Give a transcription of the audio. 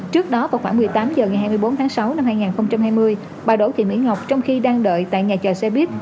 trước đó vào khoảng một mươi tám h ngày hai mươi bốn tháng sáu năm hai nghìn hai mươi bà đỗ thị mỹ ngọc trong khi đang đợi tại nhà chờ xe buýt